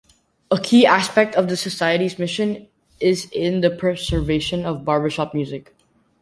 A key aspect of the Society's mission is in the preservation of barbershop music.